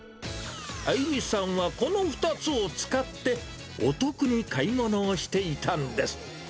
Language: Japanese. あゆみさんはこの２つを使って、お得に買い物をしていたんです。